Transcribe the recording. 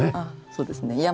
そうですね